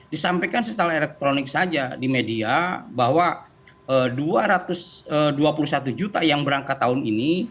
disampaikan secara elektronik saja di media bahwa dua ratus dua puluh satu juta yang berangkat tahun ini